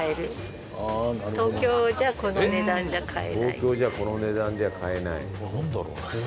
東京じゃこの値段では買えない。